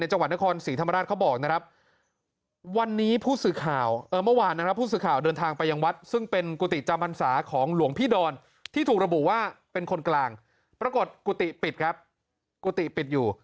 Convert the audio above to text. หลวงพี่ดอนที่ถูกระบุว่าเป็นคนกลางปรากฏกุติปิดครับกุติปิดอยู่